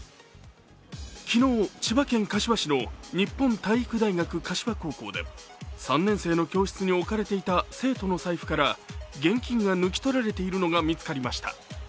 昨日、千葉県柏市の日本体育大学柏高校で３年生の教室に置かれていた生徒の財布から現金が抜き取られているのが見つかりました。